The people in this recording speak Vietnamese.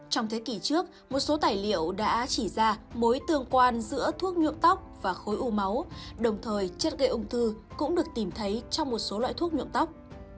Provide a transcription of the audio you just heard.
trong thế kỷ trước một số tài liệu đã chỉ ra mối tương quan giữa thuốc nhuộm tóc và khối u máu đồng thời chất gây ung thư cũng được tìm thấy trong một số loại thuốc nhuộm tóc